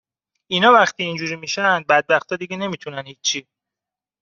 اینا وقتی اینجوری می شن، بدبختا دیگه نمی تونن هیچی